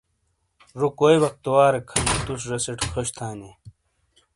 زو کوئی بختواریک ہن توس زیسیٹ خوش تھانی۔